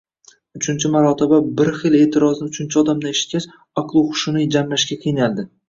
-Uchinchi marotaba bir xil e’tirozni uchinchi odamdan eshitgach, aqlu hushini jamlashga qiynaldi.